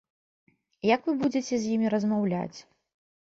Як вы будзеце з імі размаўляць?